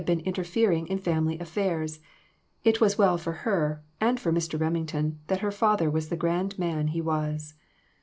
315 been interfering in family affairs ! It was well for her^ and for Mr. Remington, that her father was the grand man he was.